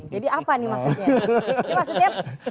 jadi apa nih maksudnya